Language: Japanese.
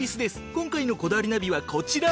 今回の『こだわりナビ』はこちら。